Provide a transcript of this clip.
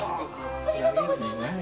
ありがとうございます。